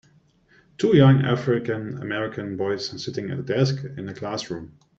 Two young African American boys sitting at a desk in a classroom.